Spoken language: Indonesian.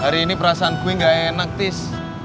hari ini perasaan gue gak enak tis